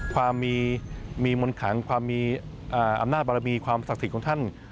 ความมีมนต์ขังความมีอำนาจบารมีความศักดิ์สิทธิ์ของท่าน